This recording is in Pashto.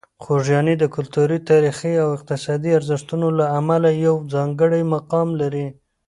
خوږیاڼي د کلتوري، تاریخي او اقتصادي ارزښتونو له امله یو ځانګړی مقام لري.